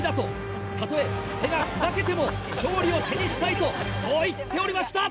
たとえ手が砕けても勝利を手にしたいとそう言っておりました！